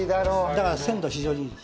だから鮮度非常にいいです。